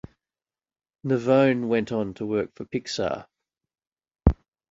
Navone went on to work for Pixar.